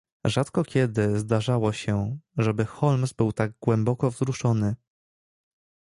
"Rzadko kiedy zdarzało się, żeby Holmes był tak głęboko wzruszony."